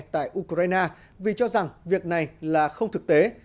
tại ukraine vì cho rằng việc này là không thực tế